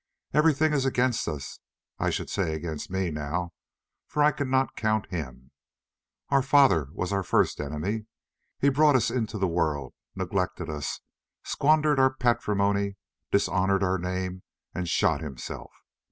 Everything is against us—I should say against me now, for I cannot count him. Our father was our first enemy; he brought us into the world, neglected us, squandered our patrimony, dishonoured our name, and shot himself.